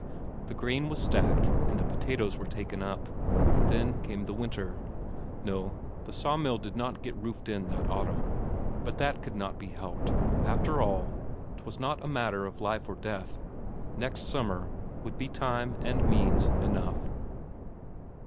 The corn was stacked, and the potatoes were taken up. Then came the winter. No, the sawmill did not get roofed in that autumn, but that could not be helped after all, 'twas not a matter of life or death. Next summer would be time and means enough.